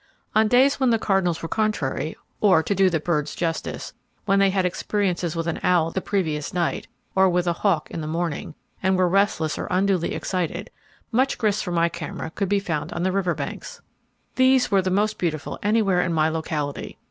On days when the cardinals were contrary, or to do the birds justice, when they had experiences with an owl the previous night, or with a hawk in the morning, and were restless or unduly excited, much grist for my camera could be found on the river banks. These were the most beautiful anywhere in my locality.